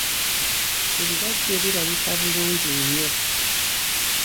Ebibajje birabika bulungi nnyo.